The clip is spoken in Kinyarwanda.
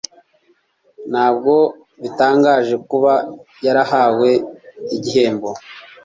Ntabwo bitangaje kuba yarahawe igihembo